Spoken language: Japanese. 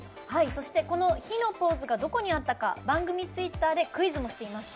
そして、「ヒ」のポーズがどこにあったか番組ツイッターでクイズもしています。